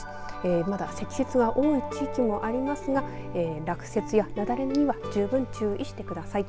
まだ積雪が多い地域もありますが落雪やなだれには十分注意してください。